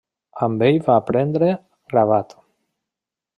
Amb ell va aprendre gravat.